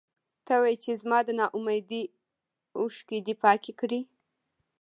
ته وې چې زما د نا اميدۍ اوښکې دې پاکې کړې.